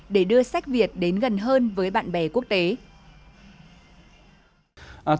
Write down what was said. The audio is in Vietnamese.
để đưa sách việt đến gần hơn với bạn việt